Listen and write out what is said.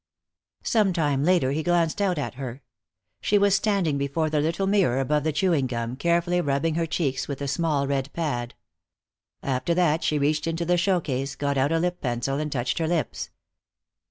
Some time later he glanced out at her. She was standing before the little mirror above the chewing gum, carefully rubbing her cheeks with a small red pad. After that she reached into the show case, got out a lip pencil and touched her lips.